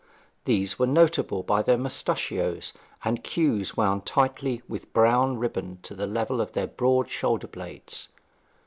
These were notable by their mustachios, and queues wound tightly with brown ribbon to the level of their broad shoulder blades.